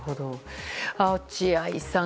落合さん